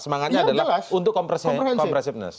semangatnya adalah untuk komprehensiveness